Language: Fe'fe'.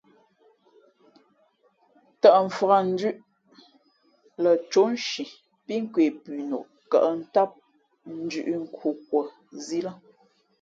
Tαʼ mfakndʉ̄ʼ lαcóʼ nshi pí kwe punok kα̌ʼ tám ndʉ̌ʼ nkhukwα zī lά.